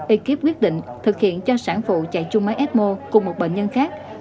ekip quyết định thực hiện cho sản phụ chạy chung máy ecmo cùng một bệnh nhân khác